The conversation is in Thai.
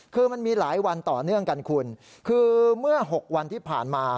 คือมันมีหลายวันต่อเนื่องกันคุณคือเมื่อ๖วันที่ผ่านมา